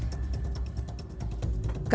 kasus ini awalnya mencuat